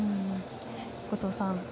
後藤さん。